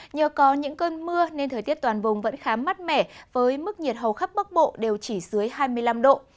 nhờ có những cơn mưa nên thời tiết toàn vùng vẫn khá mát mẻ với mức nhiệt hầu khắp bắc bộ đều chỉ dưới hai mươi năm độ